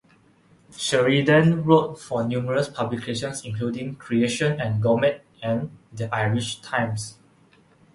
Sheridan wrote for numerous publications including "Creation and Gourmet" and "The Irish Times".